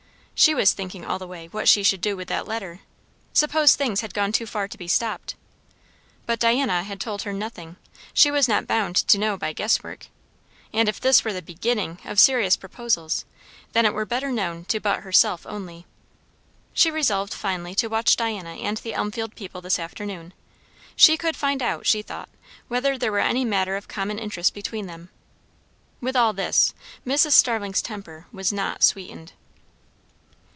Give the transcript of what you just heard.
She was thinking all the way what she should do with that letter. Suppose things had gone too far to be stopped? But Diana had told her nothing; she was not bound to know by guess work. And if this were the beginning of serious proposals, then it were better known to but herself only. She resolved finally to watch Diana and the Elmfield people this afternoon; she could find out, she thought, whether there were any matter of common interest between them. With all this, Mrs. Starling's temper was not sweetened.